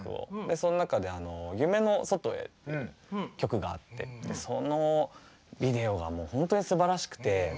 その中で「夢の外へ」って曲があってそのビデオが本当にすばらしくて。